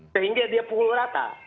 sehingga dia puluh rata